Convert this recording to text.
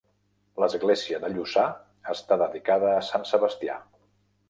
L'església de Lluçà està dedicada a sant Sebastià.